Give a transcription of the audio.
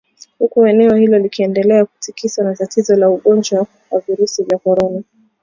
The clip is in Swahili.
Huku eneo hilo likiendelea kutikiswa na tatizo la ugonjwa wa virusi vya korona